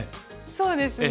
そうですね。